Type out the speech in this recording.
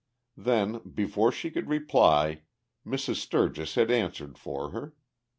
Then, before she could reply, Mrs. Sturgis had answered for her.